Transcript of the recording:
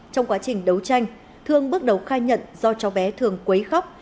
trong quá trình đấu tranh thương bước đầu khai nhận do cháu bé thường quấy khóc